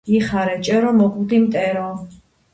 იხარე, ჭერო, მოკვდი, მტერო!